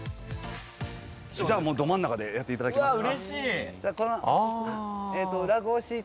じゃあ、ど真ん中でやっていただけますか？